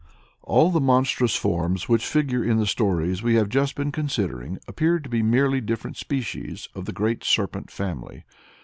All the monstrous forms which figure in the stories we have just been considering appear to be merely different species of the great serpent family.